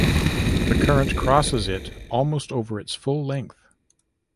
The current crosses it almost over its full length.